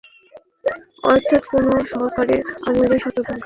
অর্থাৎ কোনো সরকারের আমলেই শতভাগ বিশুদ্ধ নির্বাচন আমাদের মতো দেশে হয়নি।